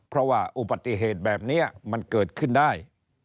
เพราะว่าอุบัติเหตุแบบนี้มันเกิดขึ้นได้